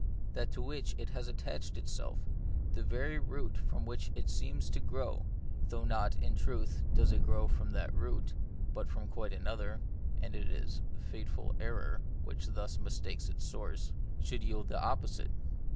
That to which it has attached itself, the very root from which it seems to grow (though not, in truth, does it grow from that root, but from quite another, and it is a fatal The Mystery of Pain. S3 error which thus mistakes its source,) should yield the opposite.